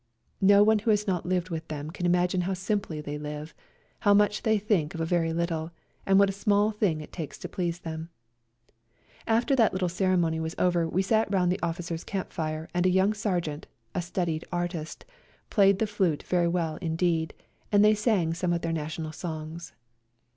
No one who has not lived with them can imagine how simply they live, how much they think of a very little, and what a small thing it takes to please them. After that little ceremony was over we sat round the officers' camp fire and a young sergeant — a student artist — played the flute very well indeed, and they sang some of their national songs.